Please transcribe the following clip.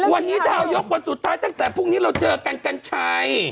วันนี้ดาวยกวันสุดท้ายตั้งแต่พรุ่งนี้เราเจอกันกัญชัย